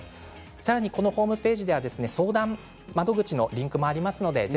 さらに、このホームページでは相談窓口のリンクもあります。